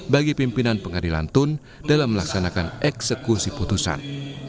bagi pimpinan pengadilan tun dalam melaksanakan eksekusi putusan